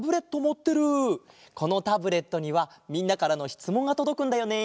このタブレットにはみんなからのしつもんがとどくんだよね。